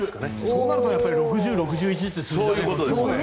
そうなると６０、６１という数字がね。